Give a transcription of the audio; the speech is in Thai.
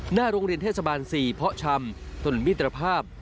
หน้าโรงเรียนเทศบาล๔เพาะชำถนนมิตรภาพ